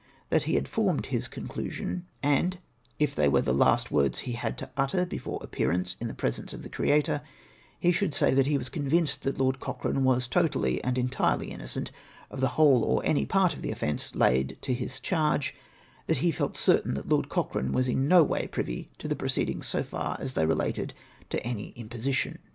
That he had formed his conclusion ; and, if they were the last words he had to utter before appearance in the pre sence of the Creator, he should say that he was convinced that Lord Cochrane was totally and entirely innocent of the ivhole or any part of the offence laid to his charge, — that he felt certain that Lord Cochrane was in no way privy to the proceedings so far as they related to any iniposition.